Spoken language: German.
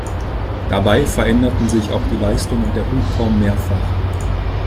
Dabei veränderten sich auch die Leistung und der Hubraum mehrfach.